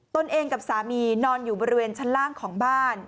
ตนเองกับสามีนอนอยู่บริเวณชั้นล่างของบ้าน